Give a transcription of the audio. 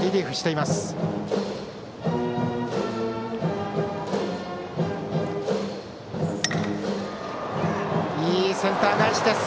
いいセンター返しです。